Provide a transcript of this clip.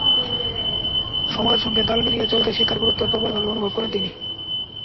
সময়ের সঙ্গে তাল মিলিয়ে চলতে শিক্ষার গুরুত্ব প্রবলভাবে অনুভব করেন তিনি।